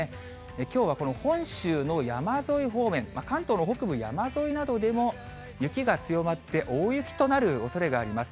きょうはこの本州の山沿い方面、関東の北部山沿いなどでも雪が強まって、大雪となるおそれがあります。